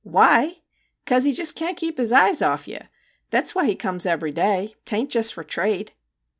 ' Why ? 'cause he just can't keep his eyes off ye ! That 's why he comes every day 'taint jest for trade